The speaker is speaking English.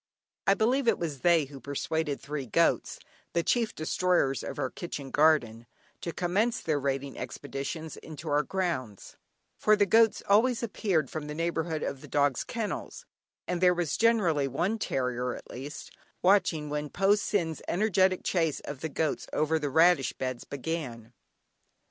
I believe it was they who persuaded three goats (the chief destroyers of our kitchen garden) to commence their raiding expeditions into our grounds, for the goats always appeared from the neighbourhood of the dog's kennels, and there was generally one terrier, at least, watching when Po Sin's energetic chase of the goats over the radish beds began.